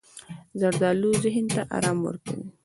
زردالو ذهن ته ارام ورکوي.